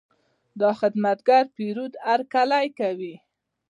دا خدمتګر د پیرود هرکلی کوي.